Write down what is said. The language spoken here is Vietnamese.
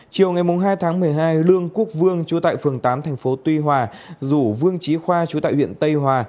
chiều ngày hai tháng một mươi hai lương quốc vương chú tại phường tám thành phố tuy hòa rủ vương trí khoa chú tại huyện tây hòa